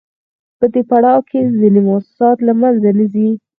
په دې پړاو کې ځینې موسسات له منځه نه ځي